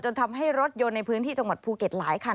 ทำให้รถยนต์ในพื้นที่จังหวัดภูเก็ตหลายคัน